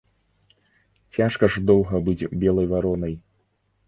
Цяжка ж доўга быць белай варонай.